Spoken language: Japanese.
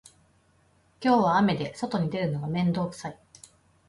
今日は雨で外に出るのが面倒くさい